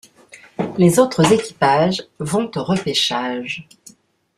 Les autres équipages vont aux repêchages.